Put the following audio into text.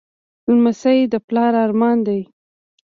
لمسی د پلار ارمان دی.